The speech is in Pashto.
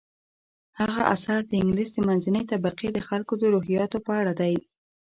هغه اثر د انګلیس د منځنۍ طبقې د خلکو د روحیاتو په اړه دی.